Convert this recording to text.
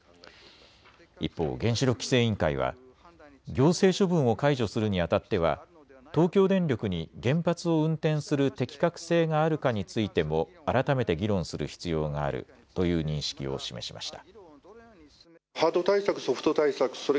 一方、原子力規制委員会は行政処分を解除するにあたっては東京電力に原発を運転する適格性があるかについても改めて議論する必要があるという認識を示しました。